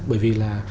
bởi vì là